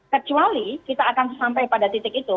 kecuali kita akan sampai pada titik itu